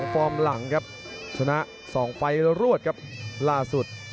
ฟอร์มหลังครับชนะ๒ไฟล์รวดครับล่าสุด